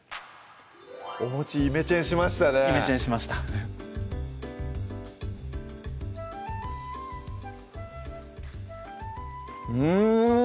おイメチェンしましたねイメチェンしましたうん！